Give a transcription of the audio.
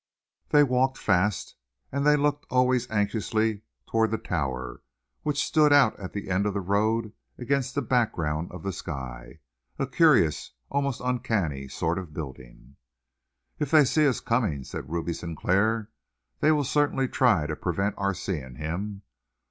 They walked fast, and they looked always anxiously toward the tower, which stood out at the end of the road against the background of the sky, a curious, almost uncanny, sort of building. "If they see us coming," said Ruby Sinclair, "they will certainly try to prevent our seeing him.